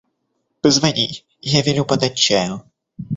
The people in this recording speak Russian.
Позвони, я велю подать чаю.